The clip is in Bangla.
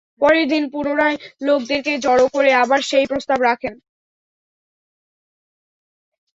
পরের দিন পুনরায় লোকদেরকে জড়ো করে আবার সেই প্রস্তাব রাখেন।